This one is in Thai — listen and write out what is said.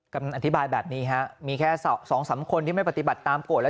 กำนันอธิบายแบบนี้ครับมีแค่๒๓คนที่ไม่ปฏิบัติตามกฎ